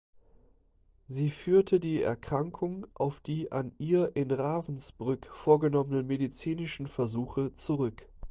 Sie führte die Erkrankung auf die an ihr in Ravensbrück vorgenommenen medizinischen Versuche zurück.